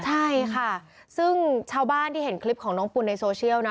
ใช่ค่ะซึ่งชาวบ้านที่เห็นคลิปของน้องปุ่นในโซเชียลนะ